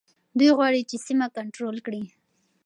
دوی غواړي چي سیمه کنټرول کړي.